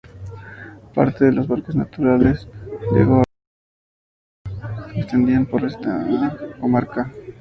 Parte de los parques naturales de Gorbea y Urquiola se extienden por esta comarca.